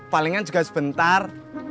palingan juga sebentar